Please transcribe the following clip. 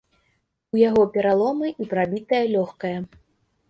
У яго пераломы і прабітае лёгкае.